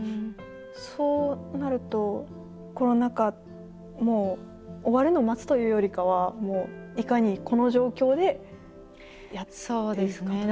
そうなるとコロナ禍もう終わるのを待つというよりかはいかにこの状況でやっていくかという。